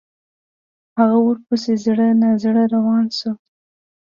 هغه ورپسې زړه نا زړه روانه شوه.